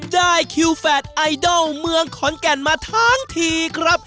ได้คิวแฝดไอดอลเมืองขอนแก่นมาทั้งทีครับ